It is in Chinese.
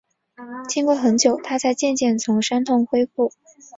经过很久，她才渐渐从伤痛恢复